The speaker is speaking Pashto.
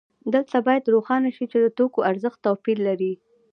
دلته باید روښانه شي چې د توکو ارزښت توپیر لري